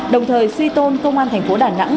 đồng thời suy tôn công an thành phố đà nẵng